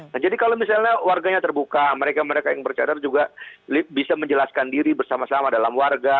nah jadi kalau misalnya warganya terbuka mereka mereka yang bercadar juga bisa menjelaskan diri bersama sama dalam warga